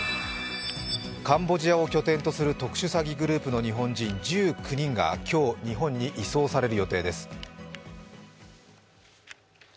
カンボジアを拠点とする特殊詐欺グループの日本人１９人が今日、日本に移送される予定です。